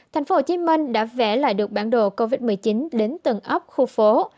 tp hcm đã vẽ lại được bản đồ covid một mươi chín đến tầng ấp khu phố